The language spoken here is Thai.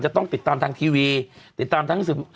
จะต้องติดตามทางทีวีติดตามทั้งสื่อ